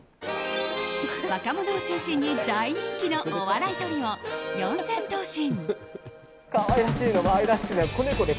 若者を中心に大人気のお笑いトリオ四千頭身。